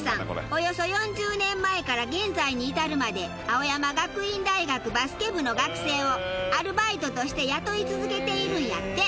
およそ４０年前から現在に至るまで青山学院大学バスケ部の学生をアルバイトとして雇い続けているんやって。